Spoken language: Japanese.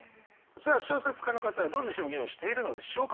さあ小説家の方はどんな表現をしているのでしょうか？